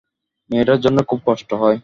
মেয়েটার জন্যে খুব কষ্ট হয়।